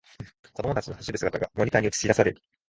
子供たちの走る姿がモニターに映しだされる